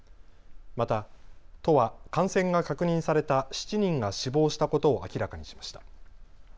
また都は感染が確認された７人が死亡したことを明らかにしました。